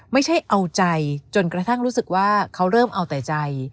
ไม่ใช่เอาใจจนกระทั่งรู้สึกว่าเขาเริ่มเอาแต่ใจ